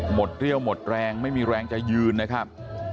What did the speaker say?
เรี่ยวหมดแรงไม่มีแรงจะยืนนะครับ